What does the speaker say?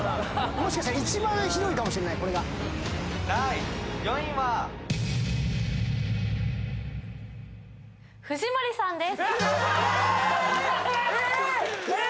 もしかしたら１番ひどいかもしれないこれが第４位は藤森さんですえっ！？